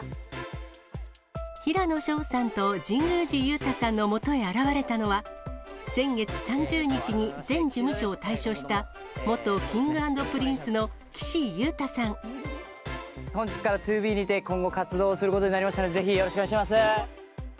平野紫燿さんと神宮寺勇太さんのもとへ現れたのは、先月３０日に前事務所を退所した元Ｋｉｎｇ＆Ｐｒｉｎｃｅの本日からＴＯＢＥにて今後活動することになりました、ぜひよろしくお願いします。